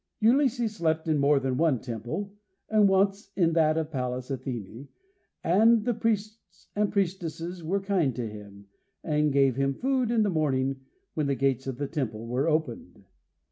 Ulysses slept in more than one temple, and once in that of Pallas Athene, and the priests and priestesses were kind to him, and gave him food in the morning when the gates of the temple were opened.